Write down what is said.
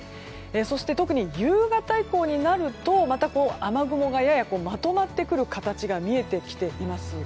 そして、特に夕方以降になると雨雲が、ややまとまってくる形が見えてきています。